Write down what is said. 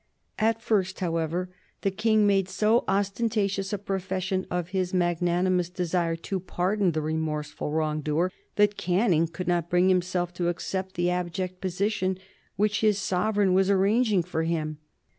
At first, however, the King made so ostentatious a profession of his magnanimous desire to pardon the remorseful wrong doer that Canning could not bring himself to accept the abject position which his sovereign was arranging for him.